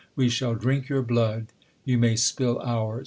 We shall drink your blood ; you may spill ours.